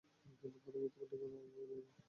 কিন্তু প্রথমেই তোমার ঠিকানা আমি বলিনি।